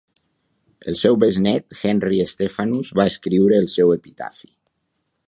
El seu besnet, Henry Stephanus, va escriure el seu epitafi.